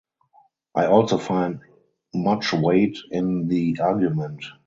I also find much weight in the argument.